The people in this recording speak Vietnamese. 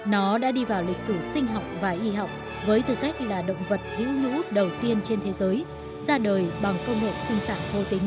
nó đã đi vào lịch sử sinh học và y học với tư cách là động vật hữu lũ đầu tiên trên thế giới ra đời bằng công nghệ sinh sản khô tính